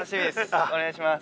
お願いします！